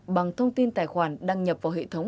bằng thông tin tài khoản đăng nhập vào hệ thống